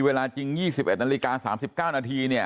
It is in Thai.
เวลาจริง๒๑นาฬิกา๓๙นาทีเนี่ย